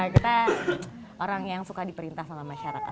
kita orang yang suka diperintah sama masyarakat